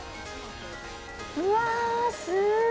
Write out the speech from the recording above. うわすごい！